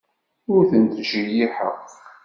Ur tent-ttjeyyiḥeɣ.